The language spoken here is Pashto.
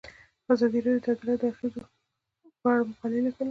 ازادي راډیو د عدالت د اغیزو په اړه مقالو لیکلي.